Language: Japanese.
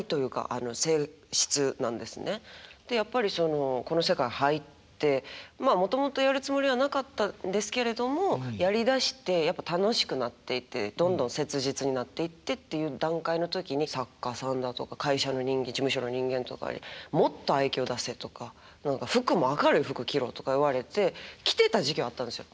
でやっぱりそのこの世界入ってまあもともとやるつもりはなかったんですけれどもやりだしてやっぱ楽しくなっていってどんどん切実になっていってっていう段階の時に作家さんだとか会社の人間事務所の人間とかに「もっと愛きょう出せ」とか「服も明るい服着ろ」とか言われて着てた時期はあったんですよ。